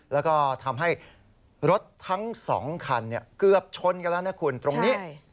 แล้วก็ทำให้รถทั้ง๒คันเกือบชนกันแล้วนะคุณตรงนี้